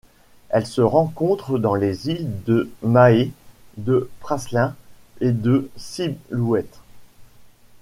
Elle se rencontre dans les îles de Mahé, de Praslin et de Silhouette.